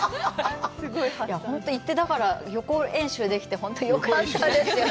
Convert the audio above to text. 本当行って、だから予行演習できて、本当によかったです。